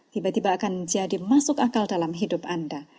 tiba tiba akan jadi masuk akal dalam hidup anda